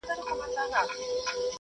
اوربشو ډوډۍ د وچي ډوډۍ پرځای وخورئ.